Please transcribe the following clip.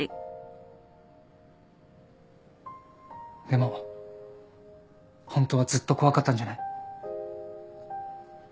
でもホントはずっと怖かったんじゃない？